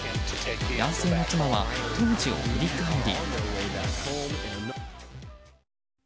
男性の妻は、当時を振り返り。